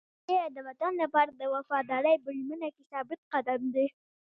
سرتېری د وطن لپاره د وفادارۍ په ژمنه کې ثابت قدم دی.